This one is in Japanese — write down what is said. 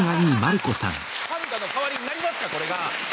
パンダの代わりになりますかこれが。